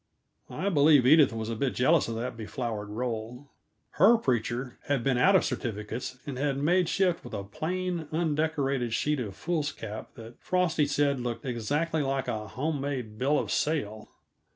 I believe Edith was a bit jealous of that beflowered roll. Her preacher had been out of certificates, and had made shift with a plain, undecorated sheet of foolscap that Frosty said looked exactly like a home made bill of sale.